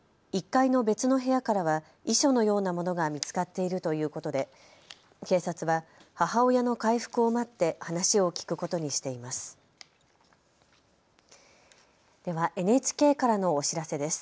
１階の別の部屋からは遺書のようなものが見つかっているということで警察は母親の回復を待って話を聞くことにしています。